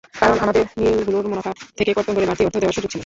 কারণ, আমাদের মিলগুলোর মুনাফা থেকে কর্তন করে বাড়তি অর্থ দেওয়ার সুযোগ ছিল।